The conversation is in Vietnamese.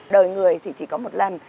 đời người thì chỉ có một lần